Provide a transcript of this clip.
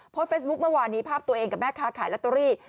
เฟซบุ๊คเมื่อวานนี้ภาพตัวเองกับแม่ค้าขายลอตเตอรี่